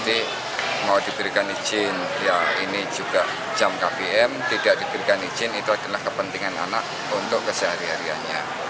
ini adalah kepentingan anak untuk kesehari hariannya